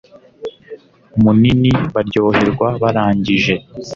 munini baryoherwa barangije